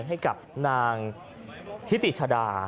ให้กับนางฤิษฐา